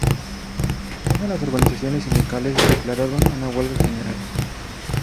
Todas las organizaciones sindicales declararon una huelga general.